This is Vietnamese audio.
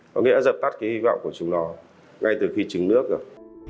có nghĩa là dập tắt cái hy vọng của chúng nó ngay từ khi trứng nước rồi